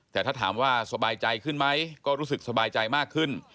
แต่ถ้าถามว่าสบายใจขึ้นไหมก็รู้สึกสบายใจมากขึ้น